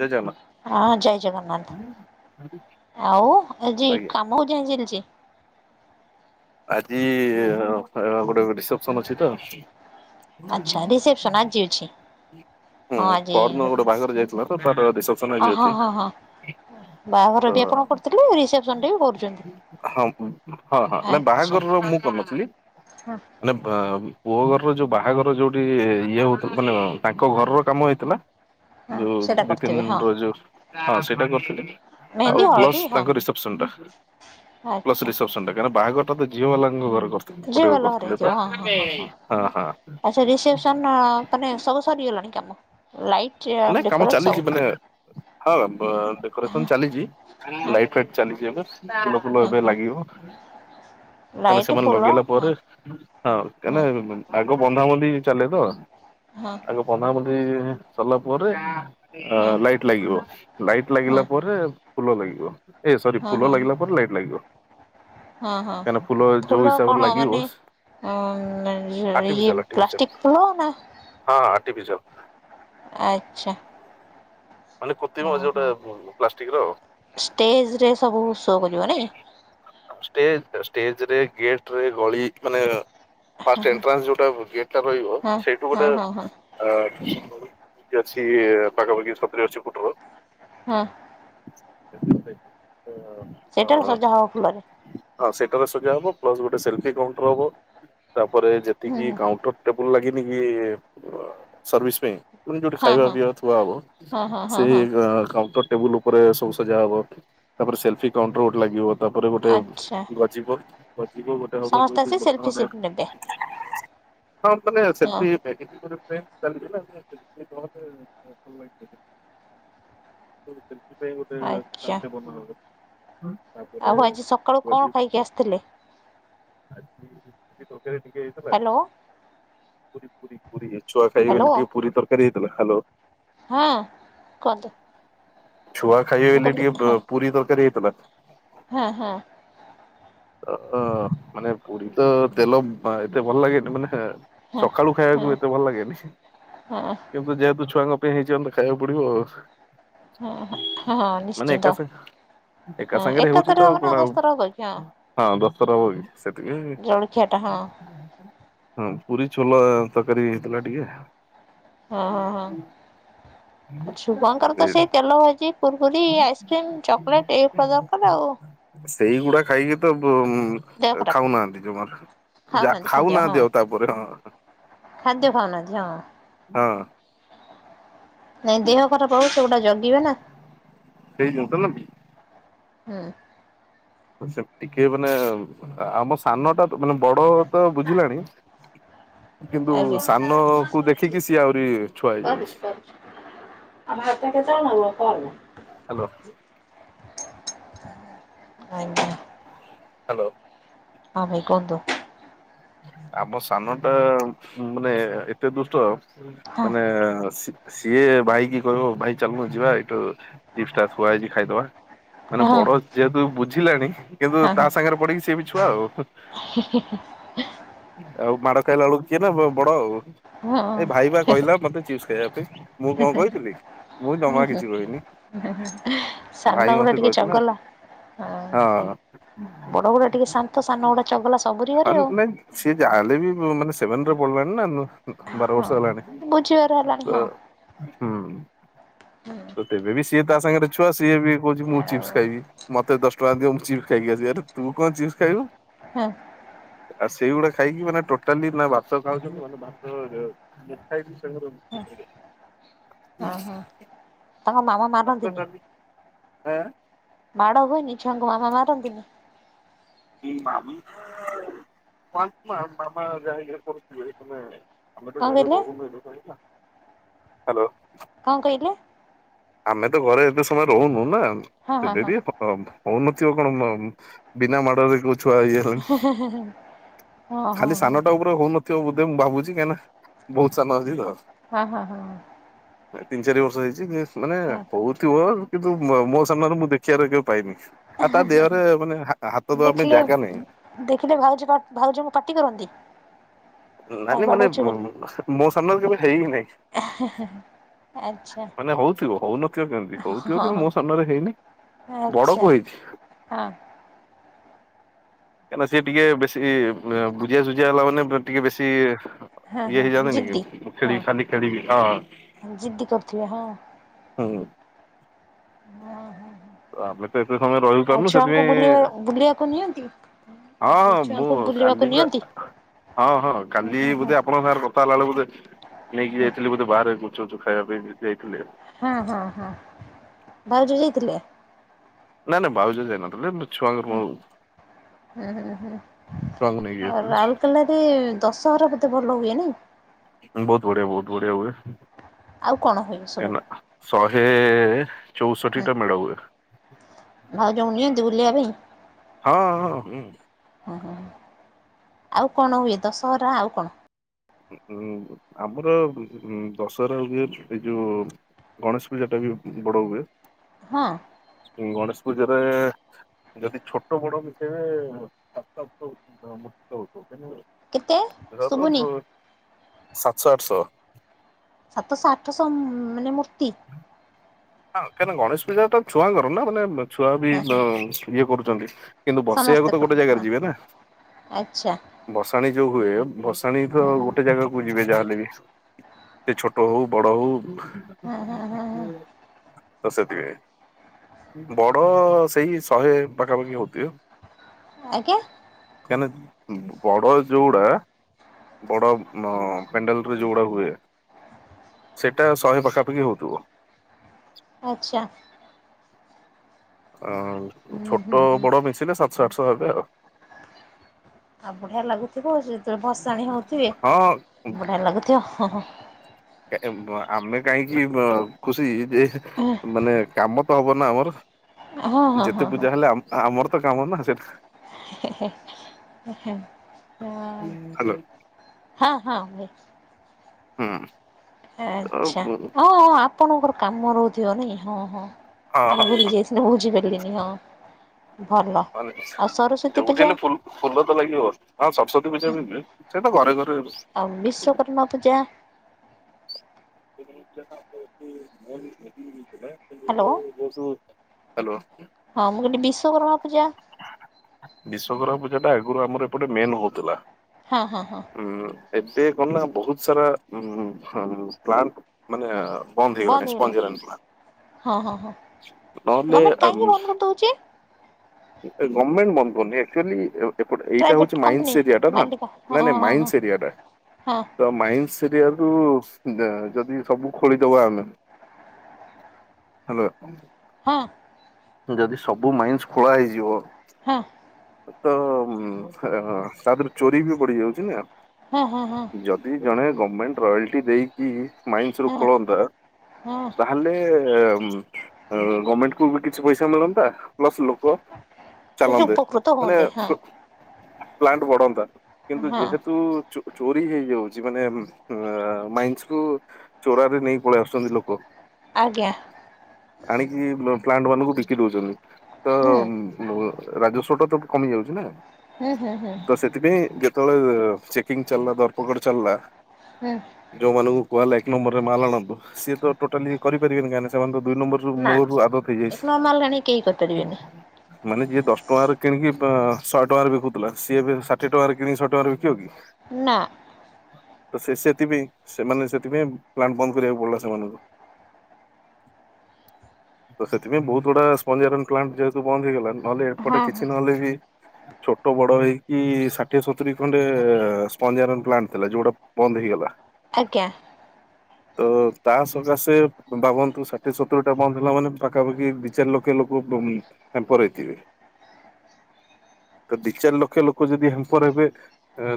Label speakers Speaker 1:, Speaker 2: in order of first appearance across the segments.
Speaker 1: ଜୟଜଗନ୍ନାଥ
Speaker 2: ହଁ ଜୟ ଜଗନ୍ନାଥ, ଆଉ ଆଜି
Speaker 1: ଆଜ୍ଞା।
Speaker 2: କା ମୁଁ [unintelligible]
Speaker 1: ଆଜି ଗୋଟେ ରିସେପସନ ଅଛି ତ।
Speaker 2: ଆଚ୍ଛା, ରିସେପସନ ଆଜି ଅଛି?
Speaker 1: ହୁଁ
Speaker 2: ହଁ ଆଜି
Speaker 1: ପହର ଦିନ ଗୋଟେ ବାହାଘରେ ଯାଇଥିଲା ତ, ତାର ରିସେପସନ୍
Speaker 2: ଅ
Speaker 1: ଆଜି
Speaker 2: ହଁ
Speaker 1: ଅଛି।
Speaker 2: ହଁ ହଁ ବାହାଘର ବି ଆପଣ
Speaker 1: ହଁ-
Speaker 2: କରୁଥିଲେ ରିସେପସନ ଟା ବି କରୁଛନ୍ତି।
Speaker 1: ହଁ- ହଁ। ନା
Speaker 2: ଆଚ୍ଛା
Speaker 1: ବାହାଘରର ମୁଁ କରିନଥିଲି
Speaker 2: ହଁ
Speaker 1: ମାନେ ପୁଅ ଘରର ଯୋଉ ବାହାଘର ଯୋଉଠି ଇଏ ହଉଥିଲା ମାନେ କଣ ତାଙ୍କ
Speaker 2: ହଁ
Speaker 1: ଘରର କାମ ହେଇଥିଲା,
Speaker 2: ହଁ
Speaker 1: ଯୋଉ
Speaker 2: ସେଇଟା
Speaker 1: ଦି ତିନି
Speaker 2: କରିଥିବେ ହଁ
Speaker 1: ତଳେ ଯୋଉ ହଁ ସେଇଟା କରିଥିଲି। ଆଉ
Speaker 2: ମେହେନ୍ଦୀ
Speaker 1: ପ୍ଲସ୍
Speaker 2: ହଳଦୀ ହଁ।
Speaker 1: ତାଙ୍କ ରିସେପସନ୍ ଟା, ପ୍ଲସ
Speaker 2: ଆଚ୍ଛା
Speaker 1: ରିସେପସନ୍ ଟା। କାହିଁକି ବାହାଘର ଟା ତ ଝିଅ ବାଲାଙ୍କ ଘରେ କରି
Speaker 2: ଝିଅ ଭଲ ଘରେ
Speaker 1: [unintelligible] କରିଥିଲେ ହଁ- ହଁ।
Speaker 2: ସେ ରିସେପସନ୍ ମାନେ ସବୁ ସରିଗଲାଣି କାମ। ଲାଇଟ୍
Speaker 1: ନାଇ କାମ
Speaker 2: ଡେକୋରେଟ ସବୁ
Speaker 1: ଚାଲିଛି, ମାନେ ହଁ ଡେକୋରେସନ ଚାଲିଛି।
Speaker 2: ହଁ
Speaker 1: ଲାଇଟ୍ ଫାଇଟ୍ ଚାଲିଛି ଏବେ, ଫୁଲ ଫୁଲ
Speaker 2: ହଁ
Speaker 1: ଏବେ
Speaker 2: ହଁ
Speaker 1: ଲାଗିବ। କାରଣ
Speaker 2: ଲାଇଟ୍
Speaker 1: ସେମାନେ
Speaker 2: ଫୁଲ
Speaker 1: ଲଗେଇଲା
Speaker 2: ହଁ।
Speaker 1: ପରେ ହଁ କାହିଁନା ଆଗ ବନ୍ଧାବନ୍ଧି ଚାଲେ ତ।
Speaker 2: ହଁ।
Speaker 1: ଯୋଉ ବନ୍ଧାବନ୍ଧି ସରିଲା ପରେ ଅ
Speaker 2: ହଁ
Speaker 1: ଲାଇଟ୍ ଲାଗିବ, ଲାଇଟ୍
Speaker 2: ହଁ
Speaker 1: ଲାଗିଲା ପରେ ଫୁଲ ଲାଗିବ। ଏ
Speaker 2: ହଁ
Speaker 1: ସରି
Speaker 2: ହଁ
Speaker 1: ଫୁଲ
Speaker 2: ହଁ
Speaker 1: ଲାଗିଲା ପରେ ଲାଇଟ୍ ଲାଗିବ।
Speaker 2: ହଁ- ହଁ।
Speaker 1: କାହିଁକିନା ଯୋଉ
Speaker 2: ଫୁଲ
Speaker 1: ହିସାବରେ
Speaker 2: କଣ
Speaker 1: ଲାଗିବ
Speaker 2: ମାନେ ଇଏ
Speaker 1: ଆର୍ଟିଫିସିଆଲ ଆର୍ଟିଫିସିଆଲ
Speaker 2: ପ୍ଲାଷ୍ଟିକ ଫୁଲ ନା?
Speaker 1: ହଁ ଆର୍ଟିଫିସିଆଲ।
Speaker 2: ଆଚ୍ଛା।
Speaker 1: ମାନେ କୃତ୍ରିମ ଯୋଉଟା ପ୍ଲାଷ୍ଟିକର ଆଉ।
Speaker 2: ଷ୍ଟେଜରେ ସବୁ ଶୋ କରିବ ନାଇଁ?
Speaker 1: ଷ୍ଟେଜରେ ଷ୍ଟେଜରେ ଗେଟରେ ଗଳି ମାନେ ଫାଷ୍ଟ ଏଣ୍ଟ୍ରାନ୍ସ ଯୋଉଟା ଗେଟ୍ ଟା ରହିବ,
Speaker 2: ହଁ
Speaker 1: ସେଇଠୁ
Speaker 2: ହଁ
Speaker 1: ଗୋଟେ
Speaker 2: ହଁ ହଁ
Speaker 1: ଆ [unintelligible] ଅଛି ପାଖାପାଖି ସତୁରୀ ଅଶି ଫୁଟ ହବ।
Speaker 2: ହଁ।
Speaker 1: [unintelligible]
Speaker 2: ସେଇଟାରେ ସଜା ହବ ଫୁଲରେ।
Speaker 1: ହଁ ସେଟାରେ ସଜା ହବ, ପ୍ଲସ ଗୋଟେ ସେଲଫି କାଉଣ୍ଟର ହବ। ତାପରେ
Speaker 2: ହୁଁ
Speaker 1: ଯେତିକି
Speaker 2: ହୁଁ
Speaker 1: କାଉଣ୍ଟ [unintelligible] ଟେବୁଲ ଲାଗିନି କି ସର୍ଭିସ୍ ପାଇଁ ମାନେ ଯୋଉଠି
Speaker 2: ହଁ
Speaker 1: ଖାଇବା
Speaker 2: ହଁ
Speaker 1: ପିଇବା ଥୁଆ ହବ,
Speaker 2: ହଁ ହଁ
Speaker 1: ସେ
Speaker 2: ହଁ ହଁ
Speaker 1: କାଉଣ୍ଟର ଟେବୁଲ ଉ ଉପରେ ସବୁ ସଜା ହବ, ତାପରେ ସେଲଫି କାଉଣ୍ଟର ଗୋଟେ ଲାଗିବ। ତାପରେ ଗୋଟେ
Speaker 2: ଆଚ୍ଛା
Speaker 1: ଗଜିବ, ଗଜିବ ଗୋଟେ ହବ
Speaker 2: ସମସ୍ତେ
Speaker 1: ଯୋଉଠି
Speaker 2: ଆସି ସେଲ୍ଫି
Speaker 1: ଲୋକମାନେ
Speaker 2: ସେଟ୍ ନେବେ
Speaker 1: ମାନେ ସେ [unintelligible]
Speaker 2: ହଁ
Speaker 1: ସେଲ୍ଫି ପାଇଁ ଗୋଟେ
Speaker 2: ଆଚ୍ଛା
Speaker 1: ଷ୍ଟାଣ୍ଡ ଟେ ବନା ହବ। ତାପରେ
Speaker 2: ଆଉ ଆଜି ସକାଳୁ କଣ
Speaker 1: ଗଜିବୁ
Speaker 2: ଖାଇକି ଆସିଥିଲେ?
Speaker 1: ଆଜି [unintelligible] ତରକାରୀ ଟିକେ ହେଇଥିଲା,
Speaker 2: ହ୍ୟାଲୋ
Speaker 1: ପୁରୀ ପୁରୀ, ପୁରୀ ଛୁଆ ଖାଇବେ
Speaker 2: ହ୍ୟାଲୋ
Speaker 1: ବୋଲି ଟିକେ ପୁରୀ ତରକାରୀ ହେଇଥିଲା। ହ୍ୟାଲୋ
Speaker 2: ହଁ କୁହନ୍ତୁ।
Speaker 1: ଛୁଆ ଖାଇବେ
Speaker 2: ମୁଁ
Speaker 1: ବୋଲି
Speaker 2: କହିଲି
Speaker 1: ଟିକେ
Speaker 2: ହଁ
Speaker 1: ପୁରୀ ତରକାରୀ ହେଇଥିଲା।
Speaker 2: ହଁ- ହଁ।
Speaker 1: ଅ ମାନେ ପୁରୀ ତ ତେଲ ଏତେ ଭଲ ଲାଗେନି, ମାନେ
Speaker 2: ହଁ
Speaker 1: ସକାଳୁ
Speaker 2: ହଁ
Speaker 1: ଖାଇଆକୁ ବି ଏତେ ଭଲ ଲାଗେନି,
Speaker 2: ହଁ
Speaker 1: କିନ୍ତୁ ଯେହେତୁ ଛୁଆଙ୍କ ପାଇଁ ହେଇଚି, ଆମେ ଖାଇଆକୁ ପଡିବ ଆଉ।
Speaker 2: ହଁ- ହଁ
Speaker 1: ମାନେ ଏକା
Speaker 2: ନିଶ୍ଚିନ୍ତ।
Speaker 1: ସାଙ୍ଗେ ଏକା
Speaker 2: ହଁ
Speaker 1: ସାଙ୍ଗରେ ହେଉଛି
Speaker 2: ଏକାଥରେ
Speaker 1: ତ
Speaker 2: ହବ
Speaker 1: ଆଉ
Speaker 2: ନା
Speaker 1: କଣ ଆଉ
Speaker 2: ଦଶ ଥର ହବ କି ହଁ
Speaker 1: ହଁ ଦସ୍ତର ହବ କି ସେତିକି
Speaker 2: ଜଳଖିଆ ଟା ହଁ
Speaker 1: ହ ପୁରୀ ଛୋଲା ତରକାରୀ ହେଇଥିଲା ଟିକେ
Speaker 2: ହଁ ହଁ ହଁ ଶୁଭଙ୍କର ତ ସେଇ ତେଲ ହଇଛି କୁରକୁରି ଆଇସ୍କ୍ରିମ୍ ଚକୋଲେଟ୍ ଏଇ ଦରକାର ଆଉ
Speaker 1: ସେଇଗୁଡା ଖାଇକି ତ
Speaker 2: ଦେହ ଖରାପ
Speaker 1: ଖାଉନାହାନ୍ତି ଜମାରୁ ଯା
Speaker 2: ଖାଦ୍ୟ ହଁ
Speaker 1: ଖାଉନାହାନ୍ତି ଆଉ ତାପରେ ହଁ
Speaker 2: ଖାଦ୍ୟ ଖାଉନାହାନ୍ତି ହଁ
Speaker 1: ହଁ
Speaker 2: ନାଇଁ ଦେହ ଖରାପ ହଉଛି ଗୋଟା ଜଗିବେ ନା
Speaker 1: ସେଇ ଜିନିଷ
Speaker 2: ହୁଁ
Speaker 1: ସେମତି ଟିକେ ମାନେ ଆମ ସାନଟା ମାନେ ବଡ ତ ବୁଝିଲାଣି କିନ୍ତୁ
Speaker 2: ଆଜ୍ଞା।
Speaker 1: ସାନ କୁ ଦେଖିକି ସିଏ ଆହୁରି ଛୁଆ
Speaker 2: କରୁଛି
Speaker 1: ହେଇଯାଉଛି
Speaker 2: କରୁଛି ଆଉ ଭାତ ଟା କେ ତା ନା କରନ
Speaker 1: ହ୍ୟାଲୋ
Speaker 2: ଆଜ୍ଞା
Speaker 1: ହ୍ୟାଲୋ
Speaker 2: ହଁ ଭାଇ କୁହନ୍ତୁ
Speaker 1: ଆମ ସାନ ଟା ମାନେ ଏତେ ଦୁଷ୍ଟ
Speaker 2: ହଁ
Speaker 1: ମାନେ ସିଏ ଭାଇକି କହିବ ଭାଇ ଚାଲନୁ ଯିବା ଏଇଠୁ ଚିପ୍ସ ଟା ଥୁଆ ହେଇଚି ଖାଇଦବା ମାନେ
Speaker 2: ହଁ।
Speaker 1: ବଡ ଯେହେତୁ ବୁଝିଲାଣି କିନ୍ତୁ ତା ସାଙ୍ଗରେ ପଡିକି ସିଏ ବି ଛୁଆ ଆଉ
Speaker 2: ହ
Speaker 1: ଆଉ ମାଡ ଖାଇଲା ବେଳକୁ କି ନା ବଡ ଆଉ ଏଇ
Speaker 2: ହଁ
Speaker 1: ଭାଇ ବା କହିଲା ମତେ ଚିପ୍ସ ଖାଇବା ପାଇଁ ମୁଁ କଣ କହିଥିଲି? ମୁଁ ଜମା କିଛି କହିନି।
Speaker 2: ହେଁ ସାନ ଗୁଡା ଟିକେ ଚଗଲା।
Speaker 1: ହଁ।
Speaker 2: ବଡ ଗୁଡା ଟିକେ ଶାନ୍ତ ସାନ ଗୁଡା ଚଗଲା ସବୁରି ଘରେ
Speaker 1: ହଁ
Speaker 2: ଆଉ।
Speaker 1: ନାଇଁ ସିଏ ଯାହେଲେ ବି ମାନେ ସେଭେନ୍ ରେ ପଡିଲାଣି ନା ବାର
Speaker 2: ହଁ
Speaker 1: ବର୍ଷ ହେଲାଣି।
Speaker 2: ବୁଝିବାର
Speaker 1: ତ
Speaker 2: ହେଲାଣି। ହଁ।
Speaker 1: ହୁଁ।
Speaker 2: ହୁଁ
Speaker 1: ତୋ ତେବେ ବି ସିଏ ତା ସାଙ୍ଗରେ ଛୁଆ ସିଏ ବି କହୁଛି ମୁଁ
Speaker 2: ଆଉ
Speaker 1: ଚିପ୍ସ ଖାଇବି। ମତେ ଦଶ ଟଙ୍କା ଦିଅ ମୁଁ ଚିପ୍ସ ଖାଇକି ଆସିବି ଆରେ ତୁ କଣ ଚିପ୍ସ ଖାଇବୁ?
Speaker 2: ହଁ।
Speaker 1: ଆଉ ସେଇଗୁଡା ଖାଇକି ମାନେ ଟୋଟାଲି ନା ଭାତ ଖାଉଛି ନା
Speaker 2: ହଁ
Speaker 1: [unintelligible]
Speaker 2: ହଁ ହୋଁ।
Speaker 1: ଆଁ
Speaker 2: ମାଡ ହୁଏନି? ଛୁଆଙ୍କୁ ମାମା ମାରନ୍ତିନି?
Speaker 1: [unintelligible] ଜାଗା କରୁଥିଲ ମାନେ ଆମେ ତ ଘର
Speaker 2: କଣ କହିଲେ
Speaker 1: ର ବଉ ହଲୋ ନା।
Speaker 2: କଣ କହିଲେ?
Speaker 1: ଆମେ ତ ଘରେ ଏତେ ସମୟ ରହୁନୁ ନା ସେବେ ବି ହଁ। ହଉନଥିବ କଣ ମ ବିନା ମାଡରେ କ
Speaker 2: ହଁ ହଁ ହଁ
Speaker 1: ଖାଲି
Speaker 2: ହଁ
Speaker 1: ସାନଟୋ ହଉନଥିବ ବୋଧେ ମୁଁ ଭାବୁଛି କାହିଁକିନା ବହୁତ ସାନ ଅଛି ତ।
Speaker 2: ହଁ ହଁ ହଁ।
Speaker 1: ତିନି ଚାରି ବର୍ଷ ହେଇଛି। ମାନେ ବହୁତ ଥିବ କିନ୍ତୁ ମୋ ସାମ୍ନାରେ ମୁଁ ଦେଖିବାର କେ ପାଇନି। ଆଉ ତା ଦେହରେ ମାନେ ହା- ହା
Speaker 2: ଦେଖିଲେ ଦେଖିଲେ ଭାଉଜ ଭାଉଜଙ୍କୁ ପାଟି କରନ୍ତି?
Speaker 1: ନାଇଁ
Speaker 2: କାଇଁ
Speaker 1: ନାଇଁ ମାନେ
Speaker 2: ବାଡ଼ଉଛୁ
Speaker 1: ମୋ ସାମ୍ନାରେ କେବେ ହେଇ ନାଇଁ।
Speaker 2: ହେଁ-ହଁ
Speaker 1: ମାନେ ହଉଥିବ ହଉନଥିବ କେମିତି
Speaker 2: ହଁ
Speaker 1: ହଉଥିବ ଜେ କିନ୍ତୁ
Speaker 2: ହଁ
Speaker 1: ମୋ ସାମ୍ନରେ ହେଇନି।
Speaker 2: ଆଚ୍ଛା
Speaker 1: ବଡକୁ
Speaker 2: ହଁ।
Speaker 1: କାଇଁନା ସେଟିକେ ବେଶି ବୁଝିଆ ସୁୁଝିଆ ବାଲା ମାନେ ଟିକେ ବେଶୀ ଏ
Speaker 2: ହଁ ହଁ
Speaker 1: ହେଇ ଜାନ୍ତିନି କି
Speaker 2: ଜିଦି ହଁ
Speaker 1: ଖେଳି ଖାଲି ଖେଡି ହଁ ହୁଁ।
Speaker 2: ଜିଦି କରୁଥିବେ ହଁ ହଁ ହଁ
Speaker 1: ଆମେ ତ ଏତେ ସମୟ
Speaker 2: ଆଉ
Speaker 1: ରହିପାରୁନୁ
Speaker 2: ଛୁଆଙ୍କୁ
Speaker 1: ସେଥିପାଇଁ
Speaker 2: ବୁଲିବା ବୁଲିବାକୁ ନିଅନ୍ତି
Speaker 1: ହଁ ହଁ ମୁଁ
Speaker 2: ଛୁଆଙ୍କୁ ବୁଲିବାକୁ
Speaker 1: କାଲି ପୁରା
Speaker 2: ନିଅନ୍ତି
Speaker 1: ହଁ ହଁ କାଲି ବୋଧେ ଆପଣଙ୍କ ସାଂଗରେ ଗ ତାଲା [unintelligible] ନେଇକି ଯାଇଥିଲି ବୋଧେ ବାହାରେ ଗୁପଚୁପ ଉଚୁପ ଖାଇବା ପାଇଁ ଯାଇଥିଲେ।
Speaker 2: ହଁ ହଁ ହଁ ଭାଉଜ ଯାଇଥିଲେ?
Speaker 1: ନାଇଁ ନାଇ ବାଉଜ ଯାଇ ନଥିଲେ ଛୁଆଙ୍କୁ
Speaker 2: ହୁଁ
Speaker 1: ମୁଁ
Speaker 2: ହୁଁ ହୁଁ ହୁଁ।
Speaker 1: ନେଇକି
Speaker 2: ଆଉ
Speaker 1: ଯାଇଥିଲି।
Speaker 2: ରାଉରକେଲାରେ ଦଶହରା ବଧେ ଭଲ ହୁଏ ନାଇ?
Speaker 1: ବହୁତ ବଢିଆ ବହୁତ ବଢିଆ ହୁଏ।
Speaker 2: ଆଉ କଣ ହୁଏ ସବୁ?
Speaker 1: କାଇଁନା ଶହେ-ଏ-ଏ ଚଉଷଠି
Speaker 2: ହୁଁ
Speaker 1: ଟା ମେଢ ହୁଏ।
Speaker 2: ଭାଉଜଙ୍କୁ ନିଅନ୍ତି ବୁଲିବା ପାଇଁ
Speaker 1: ହଁ ହଁ ହଁ।
Speaker 2: ହୁଁ ହୁଁ। ଆଉ କଣ ହୁଏ ଦଶହରା ଆଉ କଣ?
Speaker 1: ଉଁ ଆମର ଦଶହରା ହୁଏ ଏଇ ଯୋଉ ଗଣେଶ ପୂଜା ଟା ବି ବଡ ହୁଏ।
Speaker 2: ହଁ।
Speaker 1: ଗଣେଶ ପୂଜାରେ ଯଦି ଛୋଟ ବଡ ମିଶାଇବେ [inaudible]
Speaker 2: କେତେ ଶୁବୁନି।
Speaker 1: ସାତଶ, ଆଠଶ।
Speaker 2: ସାତଶ ଆଠଶ ମାନେ ମୂର୍ତ୍ତି।
Speaker 1: ନା କାହିଁକି ନା ଗଣେଶ ପୂଜା ତ ଛୁଆଙ୍କର ନା ମାନେ ଛୁଆ ବି
Speaker 2: ହଁ ହଁ
Speaker 1: ଇଏ କରୁଛନ୍ତି। କିନ୍ତୁ ବସେଇବାକୁ
Speaker 2: ସମସ୍ତେ
Speaker 1: ତ ଗୋଟେ
Speaker 2: କରନ୍ତି
Speaker 1: ଜାଗାରେ
Speaker 2: ହଁ
Speaker 1: ଯିବେ ନା।
Speaker 2: ଆଚ୍ଛା
Speaker 1: ଭସାଣି ଯଉ ହୁଏ ଭସାଣୀ ତ
Speaker 2: ହଁ
Speaker 1: ଗୋଟେ ଜାଗା ବୁ ଯିବେ ଯାହେଲେ ବି ସେ ଛୋଟ ହଉ ବଡ ହଉ।
Speaker 2: ହଁ, ହଁ, ହଁ, ହଁ।
Speaker 1: ତ ସେଥିପାଇଁ। ବଡ ସେଇ ଶହେ ପାଖାପାଖି ହଉଥବେ ଆଉ।
Speaker 2: ଆଜ୍ଞା।
Speaker 1: କାହିଁକି ନା ବଡ ଜଉଗୁଡା ବଡ ପେଣ୍ଡେଲରେ ଯୋଉଗୁଡା ହୁଏ। ସେଇଟା ଶହେ ପାଖାପାଖି ହଉଥିବ।
Speaker 2: ଆଚ୍ଛା।
Speaker 1: ଆ
Speaker 2: ହୁଁ ହୁଁ
Speaker 1: ଛୋଟ
Speaker 2: ହୁଁ
Speaker 1: ବଡ ମିଶିଲେ ସାତଶହ ଆଠଶହ ହେବେ ଆଉ।
Speaker 2: ଆଉ ବଢିଆ ଲାଗୁଥିବ ଯେତେବେଳେ ଭସାଣି ହଉଥିବେ
Speaker 1: ଆଉ
Speaker 2: ବଢିଆ ଲାଗୁଥିବ।
Speaker 1: ଆମେ କାହିଁକି ଵ ଖୁସି ଯେ ମାନେ କାମ ତ ହବ ନା ଆମର।
Speaker 2: ହଁ ହଁ
Speaker 1: ଯେତେ
Speaker 2: ହଁ
Speaker 1: ପୂଜା ହେଲେ ଆମ ଆମର ତ କାମ ନା ସେଟା। ହାଲୋ
Speaker 2: ହଁ, ହଁ।
Speaker 1: ହୁଁ।
Speaker 2: ଆଚ୍ଛା ହଁ, ହଁ ଆପଣଙ୍କର କାମ ରହୁଥିବ ନାଇଁ ହଁ, ହଁ
Speaker 1: ହଁ
Speaker 2: ମୁଁ
Speaker 1: ହଁ
Speaker 2: ଭୁଲି ଯାଇ ବୁଝିପାରିଲିନି ହଁ ଭଲ
Speaker 1: ମାନେ
Speaker 2: ଆଉ ସରସ୍ଵତୀ
Speaker 1: ଯୋଉଠି
Speaker 2: ପୂଜା।
Speaker 1: ହେଲେ ଫୁଲ ଫୁଲ ତ ଲାଗିବ ଆଁ ସରସ୍ଵତୀ ପୂଜା ବି ହୁଏ ସେ ତ ଘରେ ଘରେ
Speaker 2: ଆଉ ବିଶ୍ୱକର୍ମା ପୂଜା।
Speaker 1: [inaudible]
Speaker 2: ହାଲୋ ହଁ ମୁଁ କିହିଲି ବିଶ୍ୱକର୍ମା ପୂଜା।
Speaker 1: ବିଶ୍ୱକର୍ମା ପୂଜା ଟା ଆଗରୁ ଆମର ଏପଟେ ମେନ୍ ହଉଥିଲା।
Speaker 2: ହଁ ହଁ ହଁ
Speaker 1: ହୁଁ ଏବେ କଣ ନା ବହୁତ ସାରା ଉଁ ହଁ। ପ୍ଲାଣ୍ଟ ମାନେ ବନ୍ଦ ହେଇଗଲାଣି
Speaker 2: ହଁ ହଁ ହଁ ଗଭର୍ଣ୍ଣମେଣ୍ଟ କାହିଁକି ବନ୍ଦ
Speaker 1: [unintelligible]
Speaker 2: କରିଦଉଛି
Speaker 1: ଗମେଣ୍ଟ ବନ୍ଦ କରୁନି ଆକଚୁଆଲି ଏପଟ ଏଇଟା
Speaker 2: ପ୍ରାଇଭେଟ
Speaker 1: ହଉଛି
Speaker 2: କମ୍ପାନୀ
Speaker 1: ମାଇନ୍ସ ଏରିଆ ଟା ନା
Speaker 2: ମାଲିକ ହଁ
Speaker 1: ନାଇଁ ନାଇଁ
Speaker 2: ହଁ ହଁ।
Speaker 1: ମାଇନ୍ସ ଏରିଆ ଟା।
Speaker 2: ହଁ
Speaker 1: ତ ମାଇନ୍ସ ଏରିଆ ରୁ ଯଦି ସବୁ ଖୋଳିଦବା ଆମେ ହାଲୋ।
Speaker 2: ହଁ।
Speaker 1: ଯଦି ସବୁ ମାଇନ୍ସ ଖୋଳା ହେଇଯିବ।
Speaker 2: ହଁ।
Speaker 1: ତ ଉ ହଁ ତା ଦେହରେ ଚୋରି ବି ବଢି ଯାଉଛି ନା।
Speaker 2: ହଁ, ହଁ, ହଁ।
Speaker 1: ଯଦି ଜଣେ ଗମେଣ୍ଟ ରୟାଲଟି ଦେଇକି ମାଇନ୍ସ ରୁ
Speaker 2: ହଁ
Speaker 1: ଖୋଳନ୍ତା ତା
Speaker 2: ହଁ
Speaker 1: ତାହେଲେ ଗମେଣ୍ଟ କୁ ବି କିଛି ପଇସା ମିଳନ୍ତା ପ୍ଲସ୍ ଲୋକ
Speaker 2: ଟିକେ
Speaker 1: ଚାଲନ୍ତେ
Speaker 2: ଉପକୃତ
Speaker 1: ମାନେ
Speaker 2: ହୁଅନ୍ତେ ହଁ।
Speaker 1: ପ୍ଲାଣ୍ଟ ବଢନ୍ତା କିନ୍ତୁ
Speaker 2: ହଁ
Speaker 1: ଯେହେତୁ ଚୋରି ହେଇଯାଉଛି ମାନେ ମାଇନ୍ସ କୁ ଚୋରାରେ ନେଇକି ପଳେଇ ଆସୁଛନ୍ତି ଲୋକ।
Speaker 2: ଆଜ୍ଞା।
Speaker 1: କି ପ୍ଲାଣ୍ଟ ମାନଙ୍କୁ ବିକି ଦଉଚନ୍ତି ତ
Speaker 2: ହୁଁ।
Speaker 1: ରାଜସ୍ୱ ଟା ତ କମି ଯାଉଛି ନା।
Speaker 2: ହୁଁ ହୁଁ ହୁଁ।
Speaker 1: ତ ସେଥିପାଇଁ ଯେତେବେଳେ ଚେକିଂ ଚାଲିଲା ଧରପଗଡ଼ ଚାଲିଲା।
Speaker 2: ହୁଁ
Speaker 1: ଯୋଉମାନଙ୍କୁ କୁହାହେଲେ ଏକ ନମ୍ବରରେ ମାଲ ଆଣନ୍ତୁ ସିଏ ତ ଟୋଟାଲି କରି ପାରିବେନି କାହିଁକି ନା ସେମାନେ ତ ଦୁଇ ନମ୍ବର
Speaker 2: ନା
Speaker 1: ମୂଳରୁୁ ଆଦତ୍ ହେଇଯାଇଛି।
Speaker 2: ନ ମାରିଲାଣି କେହି କରିପାରିବେନି।
Speaker 1: ମାନେ ଯିଏ ଦଶ ଟଙ୍କାରେ କିଣିକି ଶହେ ଟଙ୍କାରେ ବିକୁଥିଲା ସିଏ ଏବେ ଷାଠି ଟଙ୍କାରେ କିଣିକି ଶହେ ଟଙ୍କାରେ ବିକିବ କି?
Speaker 2: ନା।
Speaker 1: ତ ସେ ସେଥିପାଇଁ ସେମାନେ ସେଥିପାଇଁ ପ୍ଲାଣ୍ଟ ବନ୍ଦ କରିବାକୁ ପଡିଲା ସେମାନଙ୍କୁ।
Speaker 2: [inaudible]
Speaker 1: ବ ସେଥି ପାଇଁ ବହୁତ। ଗୁଡ଼ା ସ୍ପଞ୍ଜାରନ୍ ପ୍ଲାଣ୍ଟ ଯେହେତୁ ବନ୍ଦ ହେଇଗଲା ନହେଲେ
Speaker 2: ହଁ
Speaker 1: ଏପଟେ
Speaker 2: ହଁ
Speaker 1: କିଛି ନହେଲେ ବି ଛୋଟ ବଡ଼ ହେଇକି ଷାଠିଏ ସତୁରି ଖଣ୍ଡେ ସ୍ପ୍ଜର ପ୍ଲାଣ୍ଟ ଥିଲା ଯୋଉଟା ବନ୍ଦ ହେଇଗଲା।
Speaker 2: ଆଜ୍ଞା।
Speaker 1: ତ ତା ସକାଶେ ବାବନ୍ତୁ ଷାଠିଏ ସତୁରଟା ବନ୍ଦ ହେଲା ମାନେ ପାଖାପାଖି ସେ ଲୋକେ ଲୋକ [unintelligible] ତ ଦି ଚାରି ଲକ୍ଷ ଲୋକ ଯଦି ହେଲପର୍ ହେବେ।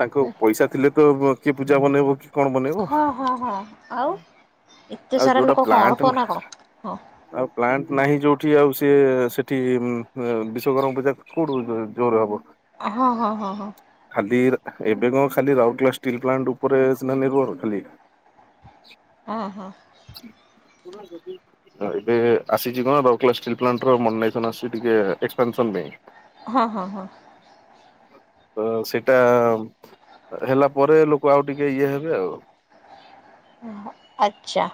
Speaker 1: ତାଙ୍କ ପଇସା ଥିଲେ ତ କିଏ ପୂଜା ବନେଇବ କି କଣ ବନେଇବ?
Speaker 2: ହଁ ହଁ ହଁ ଆଉ ଏତେ
Speaker 1: ଆଉ
Speaker 2: ସାରା
Speaker 1: ଯୋଉଟା
Speaker 2: ଲୋକ କଣ
Speaker 1: ପ୍ଲାଣ୍ଟ
Speaker 2: କୁହନା କଣ ହଁ।
Speaker 1: ଆଉ ପ୍ଲାଣ୍ଟ ନାହିଁ ଯୋଉ ଠି ଆଉ ସିଏ ସେଠି ଉ ବିଶ୍ଵକର୍ମା ପୂଜା କୋଉଠୁ ଜୋରରେ ହବ।
Speaker 2: ହଁ ହଁ ହଁ ହଁ।
Speaker 1: ଖାଲି ଏବେ କଣ ଖାଲି ରାଉରକେଲା ଷ୍ଟିଲ୍ ପ୍ଲାଣ୍ଟ ଉପରେ ସେମାନେ [unintelligible]
Speaker 2: ଆ ହା।
Speaker 1: [unintelligible] ଏବେ ଆସିଛି କଣ ରାଉରକେଲା ଷ୍ଟିଲ୍ ପ୍ଲାଣ୍ଟ ର [unintelligible] ଟିକେ ଏକ୍ପପାନସନ୍ ପାଇଁ।
Speaker 2: ହଁ ହଁ ହଁ।
Speaker 1: ତ ସେଇଟା ହେଲା ପରେ ଲୋକ ଆଉ ଟିକେ ଇଏ ହେବେ ଆଉ।
Speaker 2: ଓହୋ। ଆଚ୍ଛା।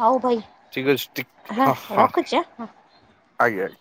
Speaker 2: ହଉ ଭାଇ
Speaker 1: ଠିକ ଅଛିି ଠିକ୍
Speaker 2: ହଁ
Speaker 1: ହ ହ।
Speaker 2: ରଖୁଛି ଆଁ
Speaker 1: ଆଜ୍ଞାଜ୍।